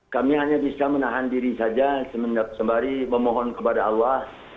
kami hanya bisa menahan diri saja sembari memohon kepada allah